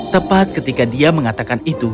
tepat ketika dia mengatakan itu